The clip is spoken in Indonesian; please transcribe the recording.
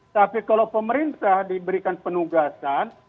tapi kalau pemerintah diberikan penugasan